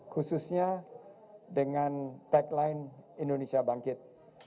khususnya dengan tagline indonesia bangkit